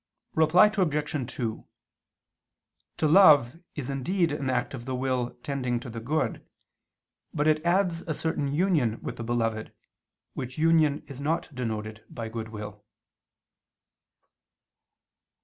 Reply Obj. 2: To love is indeed an act of the will tending to the good, but it adds a certain union with the beloved, which union is not denoted by goodwill.